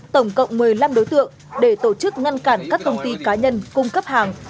tổng cộng một mươi năm đối tượng để tổ chức ngăn cản các công ty cá nhân cung cấp hàng